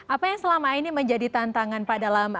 apa yang selama ini menjadi tantangan pak dalam